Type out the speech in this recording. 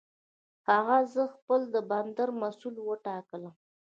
هغه زه خپل د بندر مسؤل وټاکلم.